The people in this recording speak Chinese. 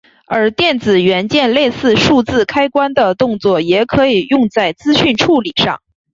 而电子元件类似数字开关的动作也可以用在资讯处理上。